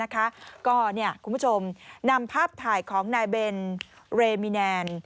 คุณผู้ชมนำภาพถ่ายของนายเบนเรมิแนน